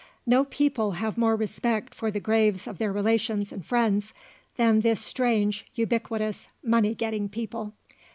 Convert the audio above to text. No people have more respect for the graves of their relations and friends than this strange, ubiquitous, money getting people.